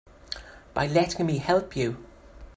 By letting me help you.